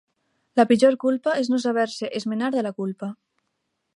La pitjor culpa és no saber-se esmenar de la culpa.